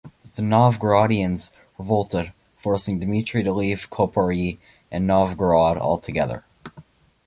The Novgorodians revolted, forcing Dmitry to leave Koporye and Novgorod altogether.